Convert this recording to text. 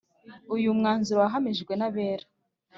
Uyu mwanzuro wahamijwe n’abera